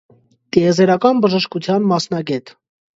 Տիեզերական բժշկության մասնագետ։